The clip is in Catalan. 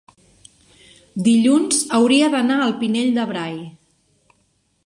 dilluns hauria d'anar al Pinell de Brai.